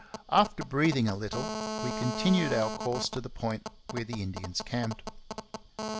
After breathing a little, we continued our course to the point where the Indians camped.